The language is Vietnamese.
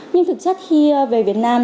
nhưng thực chất khi về việt nam